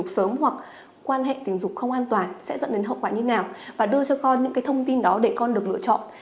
sớm hoặc quan hệ tình dục không an toàn sẽ dẫn đến hậu quả như nào và đưa cho con những cái thông tin đó để con được lựa chọn